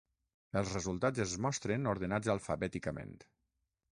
Els resultats es mostren ordenats alfabèticament.